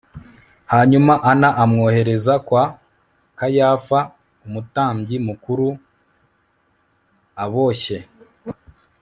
Hanyuma Ana amwohereza kwa Kayafa umutambyi mukuru e aboshye